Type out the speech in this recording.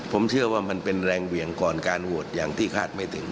ผมเชื่อว่ามันเป็นแรงเหวี่ยงก่อนการโหวตอย่างที่คาดไม่ถึง